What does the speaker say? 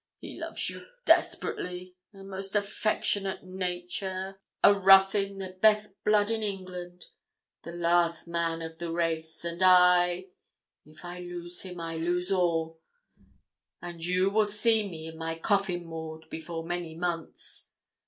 He loves you desperately a most affectionate nature a Ruthyn, the best blood in England the last man of the race; and I if I lose him I lose all; and you will see me in my coffin, Maud, before many months.